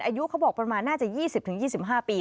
อายุเขาบอกประมาณน่าจะ๒๐๒๕ปี